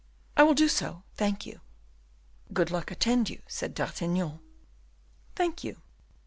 "I will do so. Thank you." "Good luck attend you," said D'Artagnan. "Thank you."